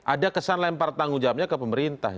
ada kesan lempar tanggung jawabnya ke pemerintah